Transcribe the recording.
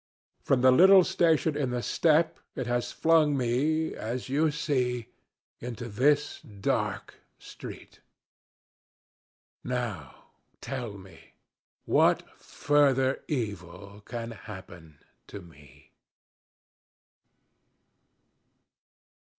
From the little station in the steppe it has flung me, as you see, into this dark street. Now tell me what further evil can happen to me?